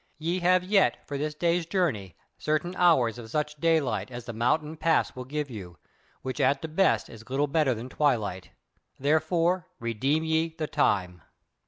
Ye have yet for this day's journey certain hours of such daylight as the mountain pass will give you, which at the best is little better than twilight; therefore redeem ye the time."